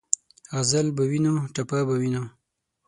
غزل پۀ وینو ، ټپه پۀ وینو